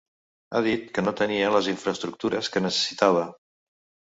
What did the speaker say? Ha dit que no tenia les infraestructures que necessitava.